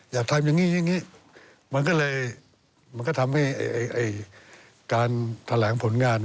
อยากทำอย่างนี้มันก็เลยทำให้การแถลงผลงาน